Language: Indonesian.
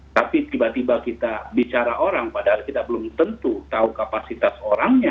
tapi tiba tiba kita bicara orang padahal kita belum tentu tahu kapasitas orangnya